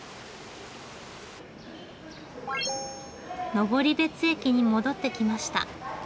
登別駅に戻って来ました。